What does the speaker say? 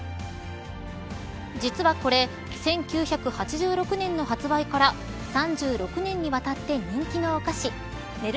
実はこれ１９８６年の発売から３６年にわたって人気のお菓子ねる